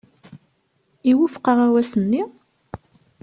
Iwufeq aɣawas-nni?